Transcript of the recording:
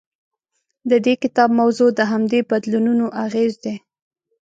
د دې کتاب موضوع د همدې بدلونونو اغېز دی.